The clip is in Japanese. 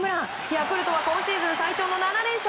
ヤクルトは今シーズン最長の７連勝。